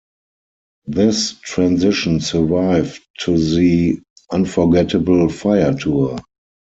This transition survived to the Unforgettable Fire Tour.